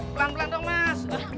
pelan pelan dong mas